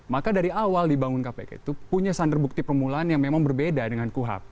maka dari awal dibangun kpk itu punya sander bukti permulaan yang memang berbeda dengan kuhap